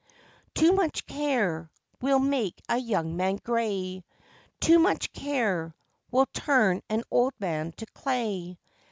Too much care Will make a young man grey; Too much care Will turn an old man to clay.